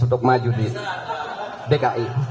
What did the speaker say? untuk maju di dki